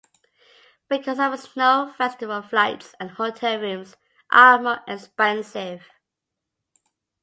Because of the Snow Festival, flights and hotel rooms are more expensive.